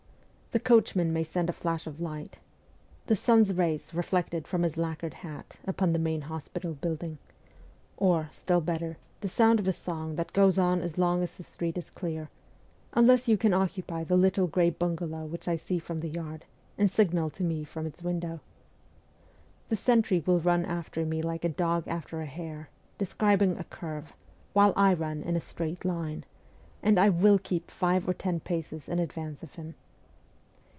The coachman may send a flash of light the sun's rays reflected from his lacquered hat upon the main hospital building ; or, still better, the sound of a song that goes on as long as the street is clear ; unless you can occupy the little grey bungalow which I see from the yard, and signal to me from its window. The sentry will run after me like a dog after a hare, describing a curve, while I run in a straight line, and I will keep five or ten paces in advance of him.